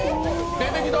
出てきた！